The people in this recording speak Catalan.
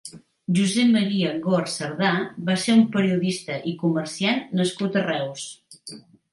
Josep Maria Gort Sardà va ser un periodista i comerciant nascut a Reus.